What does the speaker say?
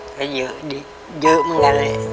ก็เยอะดีเยอะเหมือนกันเลย